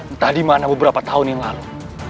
entah di mana beberapa tahun yang lalu